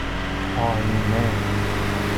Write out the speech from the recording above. آیینه